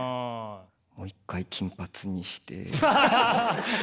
もう一回金髪にして？